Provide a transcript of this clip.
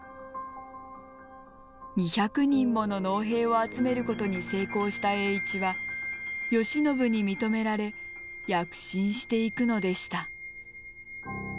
２００人もの農兵を集めることに成功した栄一は慶喜に認められ躍進していくのでした。